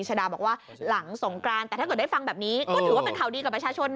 ชาดาบอกว่าหลังสงกรานแต่ถ้าเกิดได้ฟังแบบนี้ก็ถือว่าเป็นข่าวดีกับประชาชนนะ